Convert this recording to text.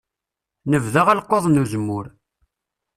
Nebda alqaḍ n uzemmur.